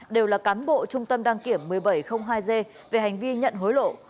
đều là cán bộ trung tâm đăng kiểm một nghìn bảy trăm linh hai g về hành vi nhận hối lộ